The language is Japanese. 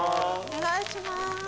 お願いします。